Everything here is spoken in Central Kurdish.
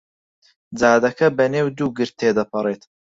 جادەکە بەنێو دوو گرد تێ دەپەڕێت.